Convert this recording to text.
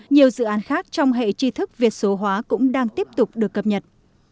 nhiều dự án khác trong hệ tri thức việt số hóa cũng đang tiếp tục được cập nhật